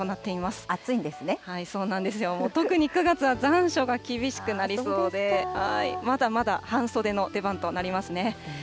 そうなんですよ、もう、特に９月は残暑が厳しくなりそうで、まだまだ半袖の出番となりますね。